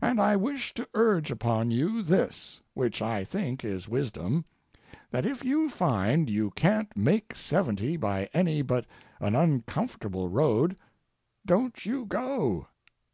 And I wish to urge upon you this—which I think is wisdom—that if you find you can't make seventy by any but an uncomfortable road, don't you go.